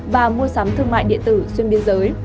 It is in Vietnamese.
và mua sắm thương mại điện tử xuyên biên giới